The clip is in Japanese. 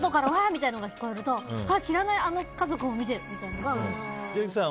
みたいなのが聞こえると知らないあの家族も見てるみたいなのがうれしい。